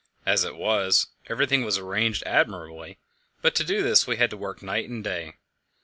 As it was, everything was arranged admirably, but to do this we had to work night and day.